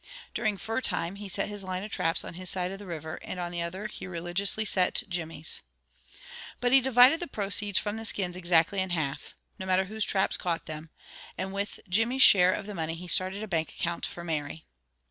During fur time he set his line of traps on his side of the river and on the other he religiously set Jimmy's. But he divided the proceeds from the skins exactly in half, no matter whose traps caught them, and with Jimmy's share of the money he started a bank account for Mary.